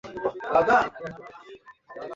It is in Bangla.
এই একটি ছেলের জন্যে বনী ইসরাঈল সংখ্যায় বেড়ে যাবে না।